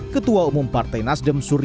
ketua umum partai nasdem surya